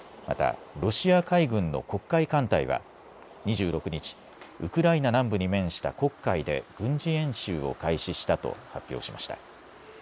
また、ロシア海軍の黒海艦隊は２６日ウクライナ南部に面した黒海で軍事演習を開始したと発表しました。